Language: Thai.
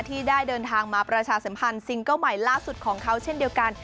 ที่ได้เดินทางมาประชาสัมพันธ์ซิงเกิ้ลใหม่ล่าสุดของเขาเช่นเดียวกัน